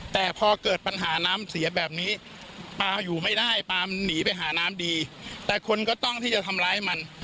แต่พอเกิดปัญหาน้ำเสียแบบนี้ปลาอยู่ไม่ได้ปลามันหนีไปหาน้ำดีแต่คนก็ต้องที่จะทำร้ายมัน